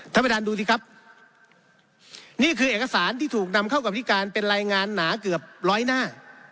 ท่านประธานดูสิครับนี่คือเอกสารที่ถูกนำเข้ากับพิการเป็นรายงานหนาเกือบร้อยหน้า